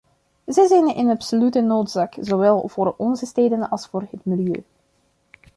Ze zijn een absolute noodzaak, zowel voor onze steden als voor het milieu.